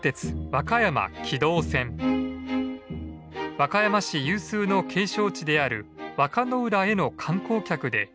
和歌市有数の景勝地である和歌浦への観光客でにぎわいました。